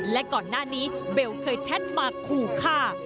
และก่อนหน้านี้เบลเคยแชทมาขู่ฆ่า